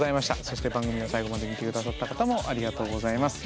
そして番組を最後まで見て下さった方もありがとうございます。